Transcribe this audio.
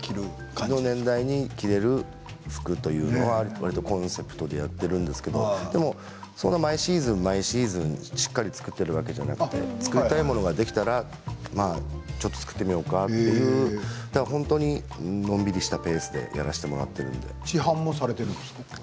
この年代が着られる服というのがわりとコンセプトになっているんですけれどもそんな毎シーズン毎シーズンしっかり作っているわけではなくて作りたいものができたら作ってみようかという本当にのんびりしたペースで市販もされているんですか。